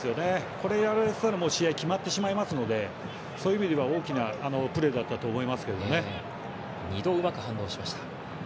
これをやられてたら試合が決まってしまいますのでそういう意味では大きなプレーだったと思います。